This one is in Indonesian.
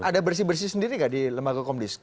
ada bersih bersih sendiri nggak di lembaga komdis